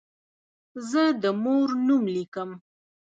زه د مور نوم لیکم.